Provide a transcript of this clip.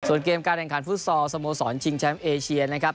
ส่วนเกมการแข่งขันฟุตซอลสโมสรชิงแชมป์เอเชียนะครับ